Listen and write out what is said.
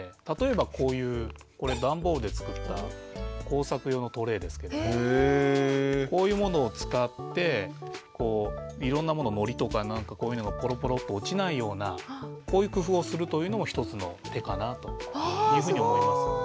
例えばこういうこれ段ボールで作った工作用のトレーですけれどもこういうものを使っていろんなものをのりとかなんかこういうのがぽろぽろと落ちないようなこういう工夫をするというのも一つの手かなというふうに思います。